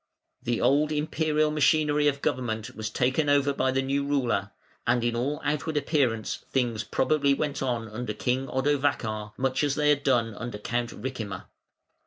The old Imperial machinery of government was taken over by the new ruler, and in all outward appearance things probably went on under King Odovacar much as they had done under Count Ricimer.